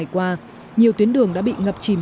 qua nhiều tuyến đường đã bị ngập chìm